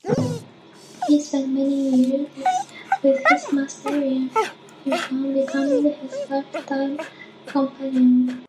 He spent many years with his master in Isfahan, becoming his lifetime companion.